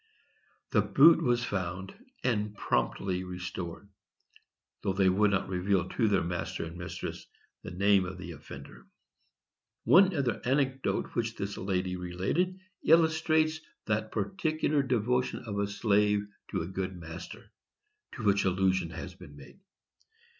The boot was found and promptly restored, though they would not reveal to their master and mistress the name of the offender. One other anecdote which this lady related illustrates that peculiar devotion of a slave to a good master, to which allusion has been made.